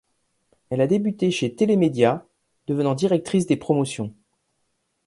Elle a débuté chez Télémédia, devenant directrice des promotions.